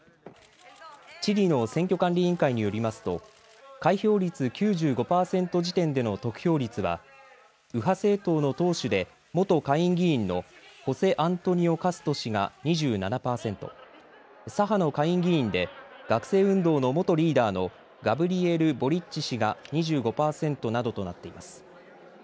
チリの選挙管理委員会によりますと開票率９５％時点での得票率は右派政党の党首で元下院議員のホセアントニオ・カスト氏が２７％、左派の下院議員で学生運動の元リーダーのガブリエル・ボリッチ氏が２５％などとなっています。